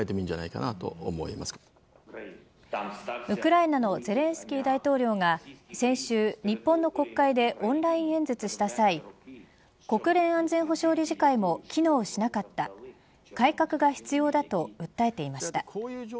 ウクライナのゼレンスキー大統領が先週、日本の国会でオンライン演説した際国連安全保障理事会も機能しなかった改革が必要だと訴えていました。